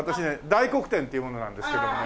大黒天っていう者なんですけどもね。